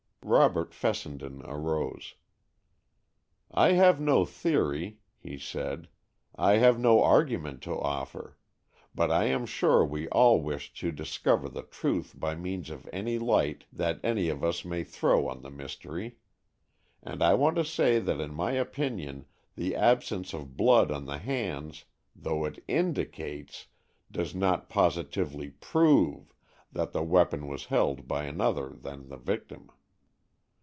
Robert Fessenden arose. "I have no theory," he said; "I have no argument to offer. But I am sure we all wish to discover the truth by means of any light that any of us may throw on the mystery. And I want to say that in my opinion the absence of blood on the hands, though it indicates, does not positively prove, that the weapon was held by another than the victim.